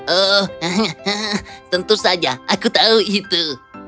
oh tentu saja aku tahu itu